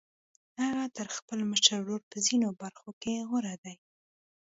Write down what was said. هغه تر خپل مشر ورور په ځينو برخو کې غوره دی.